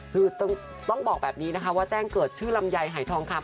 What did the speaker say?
คือต้องบอกแบบนี้นะคะว่าแจ้งเกิดชื่อลำไยหายทองคำ